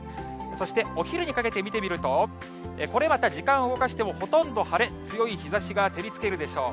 そしてお昼にかけて見てみると、これまた時間を動かしても、ほとんど晴れ、強い日ざしが照りつけるでしょう。